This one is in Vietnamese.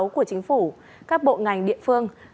của chính phủ các bộ ngành địa phương